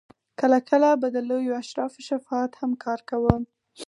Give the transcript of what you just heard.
کله کله به د لویو اشرافو شفاعت هم کار کاوه.